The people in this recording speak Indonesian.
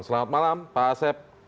selamat malam pak asep